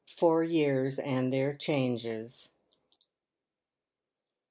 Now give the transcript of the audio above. FOUR YEARS AND THEIR CHANGES.